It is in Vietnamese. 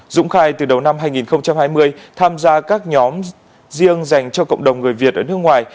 dũng khai từ đầu năm hai nghìn hai mươi tham gia các nhóm riêng dành cho cộng đồng người việt ở nước ngoài